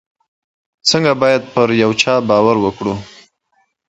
Henri Didot engraved the assignats, the paper money used during the French Revolution.